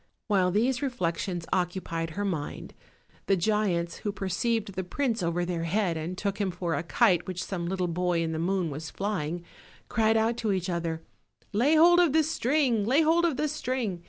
While these reflections occupied her mind, the giants, who perceived the prince over their head and took him for a kite which some little boy in the moon was fly ing, cried out to each other: "Lay hold of the string! lay bold of the string!